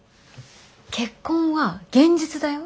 結婚は現実だよ